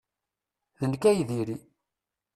D nekk ay diri!